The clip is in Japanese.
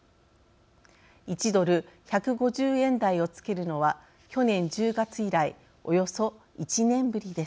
１ドル１５０円台をつけるのは去年１０月以来およそ１年ぶりです。